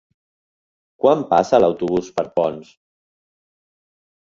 Quan passa l'autobús per Ponts?